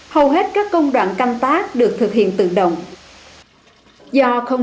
hầu hết các công đoạn canh tác được thực hiện tự động